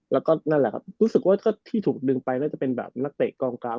แล้วก็นั่นแหละครับรู้สึกว่าถ้าที่ถูกดึงไปน่าจะเป็นแบบนักเตะกองกลาง